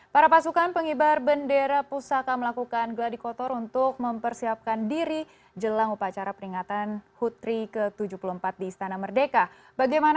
para pasukan pengibar bendera pusaka melakukan gladi kotor untuk mempersiapkan diri jelang upacara peringatan hutri kegelapan